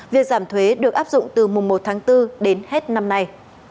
việc giảm thuế được áp dụng từ mùng một tháng bốn đến hết năm nay